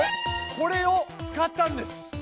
これを使ったんです。